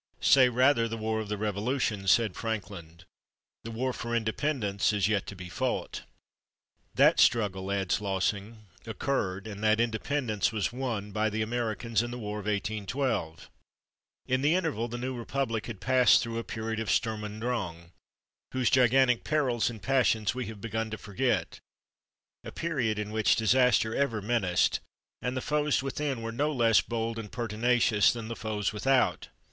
"Say, rather, the War of the Revolution," said Franklin. "The War for Independence is yet to be fought." "That struggle," adds Lossing, "occurred, and that independence was won, by the Americans in the War of 1812." In the interval the new republic had passed through a period of /Sturm und Drang/ whose gigantic perils and passions we have begun to forget a period in which disaster ever menaced, and the foes within were no less bold and pertinacious than the foes without.